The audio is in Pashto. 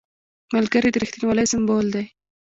ملګری د رښتینولۍ سمبول دی